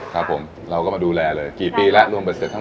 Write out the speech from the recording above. พอเราไปอยู่ต่างจังหวัดเราไปเรียนในพฤมป์แบบนี้แล้วก็มาช่วยกายของ